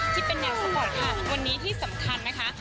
พี่นารายากใส่สู้กับใครมั้ยคะ